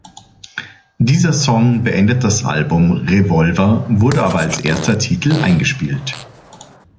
Dieser Song beendet das Album "Revolver", wurde aber als erster Titel eingespielt.